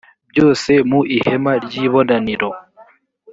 byose mu ihema ry ibonaniro